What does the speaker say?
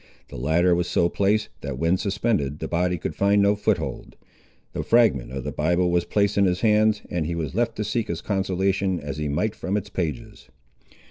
The latter was so placed, that when suspended the body could find no foot hold. The fragment of the Bible was placed in his hands, and he was left to seek his consolation as he might from its pages.